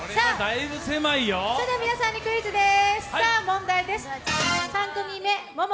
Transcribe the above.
皆さんにクイズです。